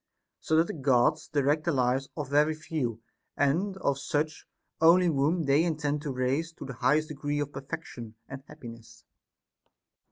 So that the Gods direct the lives of very few, and of such only whom they intend to raise to the highest degree of per fection and happiness.